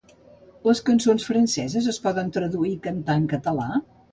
Les cançons franceses es poden traduir i cantar en català?